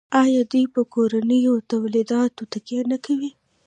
آیا دوی په کورنیو تولیداتو تکیه نه کوي؟